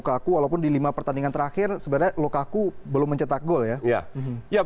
dan lukaku walaupun di lima pertandingan terakhir sebenarnya lukaku belum mencetak gol ya